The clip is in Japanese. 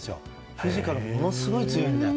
フィジカルがものすごい強い。